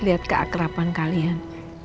lihat keakrapan kalian